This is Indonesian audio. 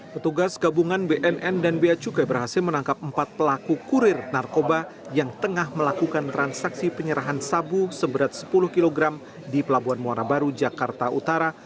badan narkotika nasional bersama bnn berhasil menangkap empat kurir narkoba yang akan menyelundupkan sabu yang akan menyelundupkan sabu di kawasan pelabuhan muara baru jakarta utara